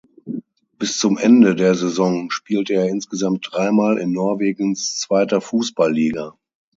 Bis zum Ende der Saison spielte er insgesamt dreimal in Norwegens zweiter Fußballliga.